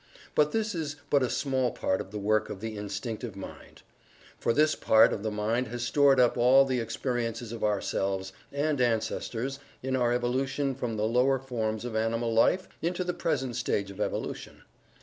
But this is but a small part of the work of the Instinctive Mind. For this part of the mind has stored up all the experiences of ourselves and ancestors in our evolution from the lower forms of animal life into the present stage of evolution.